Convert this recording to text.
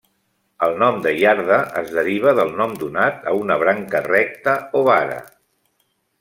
El nom de iarda es deriva del nom donat a una branca recta o vara.